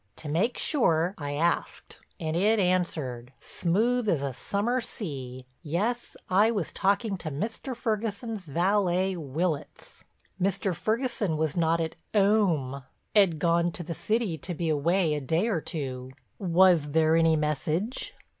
To make sure I asked, and it answered, smooth as a summer sea—yes, I was talking to Mr. Ferguson's valet, Willitts. Mr. Ferguson was not at 'ome, 'ed gone to the city to be away a day or two. Was there any message?